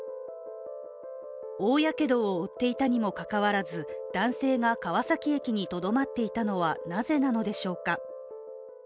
大やけどを負っていたにもかかわらず、男性が川崎駅にとどまっていたのはなぜなのでしょうか。